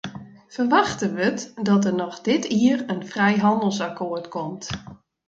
Ferwachte wurdt dat der noch dit jier in frijhannelsakkoart komt.